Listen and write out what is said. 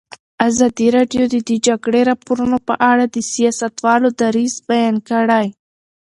ازادي راډیو د د جګړې راپورونه په اړه د سیاستوالو دریځ بیان کړی.